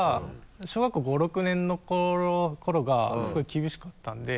小学校５６年の頃がすごい厳しかったんで。